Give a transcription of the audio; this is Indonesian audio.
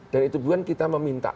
dan itu bukan kita meminta